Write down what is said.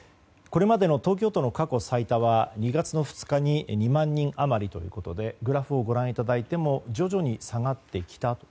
これまでの東京都の過去最多は２月２日に２万人余りということでグラフをご覧いただいても徐々に下がってきたと。